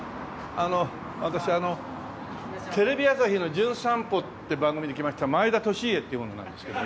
あの私あのテレビ朝日の『じゅん散歩』って番組で来ました前田利家っていう者なんですけどね。